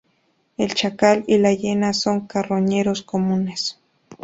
El chacal y la hiena son carroñeros comunes.